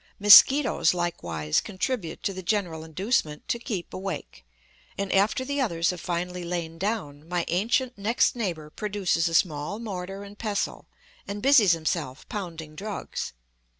Mosquitoes likewise contribute to the general inducement to keep awake; and after the others have finally lain down, my ancient next neighbor produces a small mortar and pestle and busies himself pounding drugs.